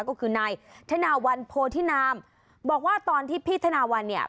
ก็คือนายธนาวันโพธินามบอกว่าตอนที่พี่ธนาวันเนี่ย